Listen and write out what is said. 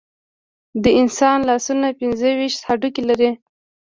د انسان لاسونه پنځه ویشت هډوکي لري.